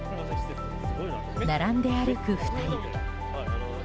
並んで歩く２人。